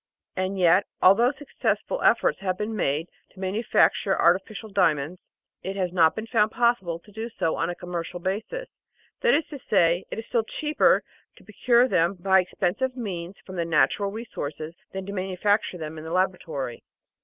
And yet, although successful efforts have been made to manu facture artificial diamonds, it has not been found possible to do so on a commercial basis, that is to say, it is still cheaper to pro cure them by expensive means from the natural resources than to manufacture them in the laboratory.